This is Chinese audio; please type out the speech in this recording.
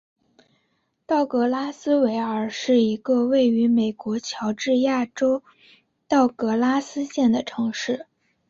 道格拉斯维尔是一个位于美国乔治亚州道格拉斯县的城市。